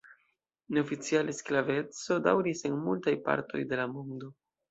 Neoficiale sklaveco daŭris en multaj partoj de la mondo.